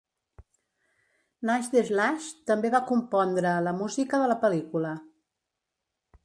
Nash the Slash també va compondre la música de la pel·lícula.